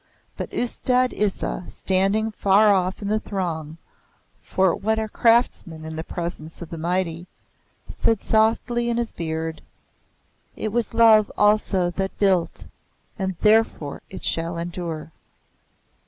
But Ustad Isa standing far off in the throng (for what are craftsmen in the presence of the mighty?), said softly in his beard, "It was Love also that built, and therefore it shall endure."